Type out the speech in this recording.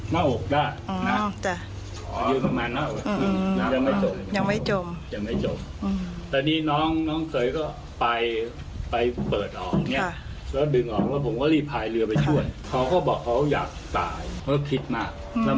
หลายทางแล้วเขาก็รู้ว่าผู้ชายเป็นใคร